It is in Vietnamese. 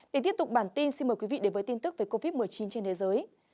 để tiếp tục bản tin xin mời quý vị đến với tin tức về covid một mươi chín trên thế giới